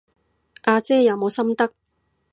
阿姐有冇心得？